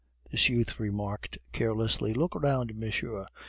This youth remarked carelessly: "Look round, monsieur!